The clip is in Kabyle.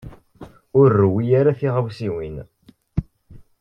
Ur rewwi ara tiɣawsiwin.